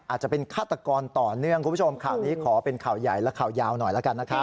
อาจจะเป็นฆาตกรต่อเนื่องคุณผู้ชมข่าวนี้ขอเป็นข่าวใหญ่และข่าวยาวหน่อยแล้วกันนะครับ